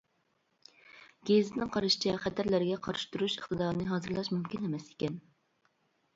گېزىتنىڭ قارىشىچە خەتەرلەرگە قارشى تۇرۇش ئىقتىدارىنى ھازىرلاش مۇمكىن ئەمەس ئىكەن.